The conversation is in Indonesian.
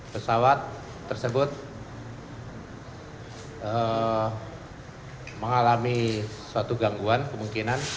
pesawat tersebut mengalami suatu gangguan kemungkinan jatuh ke laut